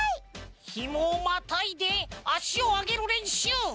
ひもをまたいであしをあげるれんしゅう。